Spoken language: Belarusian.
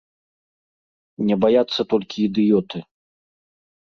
Не баяцца толькі ідыёты.